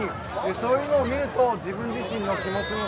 そういうのを見ると自分自身の気持ちも